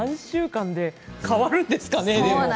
３週間で変わるんですかね？